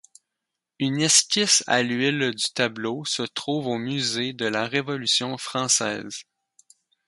Une esquisse à l'huile du tableau se trouve au musée de la Révolution française.